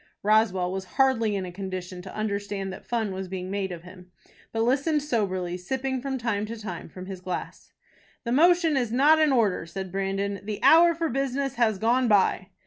Roswell was hardly in a condition to understand that fun was being made of him, but listened soberly, sipping from time to time from his glass. "The motion is not in order," said Brandon. "The hour for business has gone by."